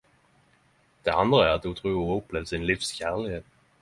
Det andre er at ho tror ho har opplevd sitt livs kjærlighet.